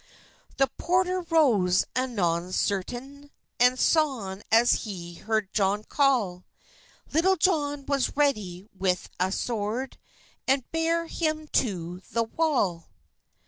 The portere rose anon sertan, As sone as he herd John calle; Litul Johne was redy with a swerd, And bare hym to the walle.